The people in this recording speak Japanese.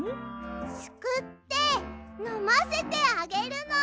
すくってのませてあげるの！